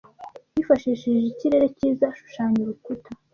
Yifashishije ikirere cyiza ashushanya urukuta.